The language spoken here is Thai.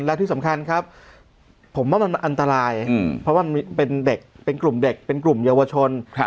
และที่สำคัญครับผมว่ามันอันตรายเพราะว่ามันเป็นเด็กเป็นกลุ่มเด็กเป็นกลุ่มเยาวชน